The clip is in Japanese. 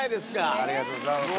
ありがとうございます。